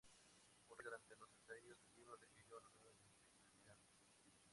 Un rayo durante los ensayos del himno requirió una nueva expiación.